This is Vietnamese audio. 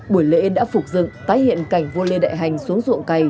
buổi lễ đã phục dựng tái hiện cảnh vua lê đại hành xuống ruộng cày